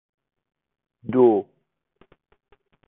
دو